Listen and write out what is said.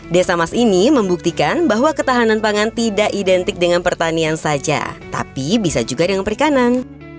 desa mas ini membuktikan bahwa ketahanan pangan tidak identik dengan pertanian saja tapi bisa juga dengan perikanan